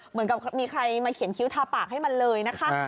เหมือนกับมีใครมาเขียนคิ้วทาปากให้มันเลยนะคะ